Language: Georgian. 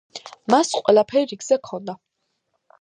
მას ყველაფერი რიგზე ჰქონდა.